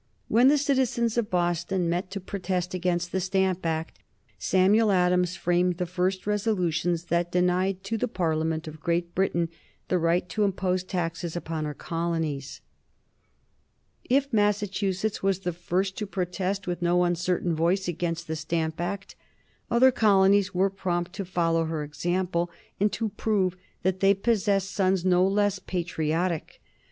When the citizens of Boston met to protest against the Stamp Act Samuel Adams framed the first resolutions that denied to the Parliament of Great Britain the right to impose taxes upon her colonies. [Sidenote: 1765 The opposition to the Stamp Act] If Massachusetts was the first to protest with no uncertain voice against the Stamp Act, other colonies were prompt to follow her example, and to prove that they possessed sons no less patriotic.